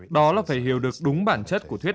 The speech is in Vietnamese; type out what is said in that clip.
đó là phải hiểu được đúng bản chất của thuyết